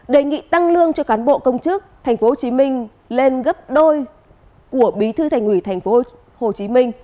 đề nghị tăng lương cho cán bộ công chức tp hcm lên gấp đôi của bí thư thành ủy tp hcm